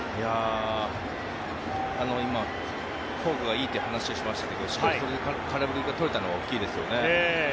今、フォークがいいという話をしましたけどしっかりそれで空振りが取れたのは大きいですよね。